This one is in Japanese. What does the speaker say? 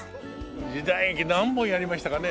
時代劇何本やりましたかね？